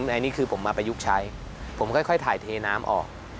อันนี้คือผมมาประยุกต์ใช้ผมค่อยถ่ายเทน้ำออก